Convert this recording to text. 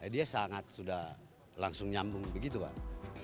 dia sangat sudah langsung nyambung begitu bang